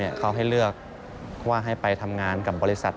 เขาให้เลือกว่าให้ไปทำงานกับบริษัท